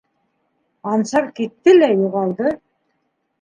Ансар китте лә юғалды.